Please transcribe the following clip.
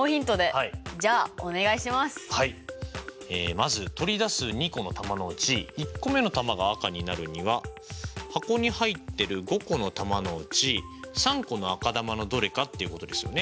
まず取り出す２個の球のうち１個目の球が赤になるには箱に入ってる５個の球のうち３個の赤球のどれかっていうことですよね。